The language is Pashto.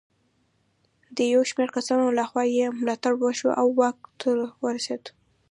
د یو شمېر کسانو له خوا یې ملاتړ وشو او واک ته ورسېد.